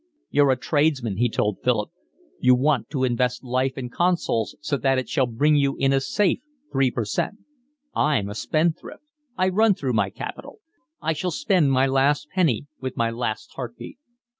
"You're a tradesman," he told Philip, "you want to invest life in consols so that it shall bring you in a safe three per cent. I'm a spendthrift, I run through my capital. I shall spend my last penny with my last heartbeat."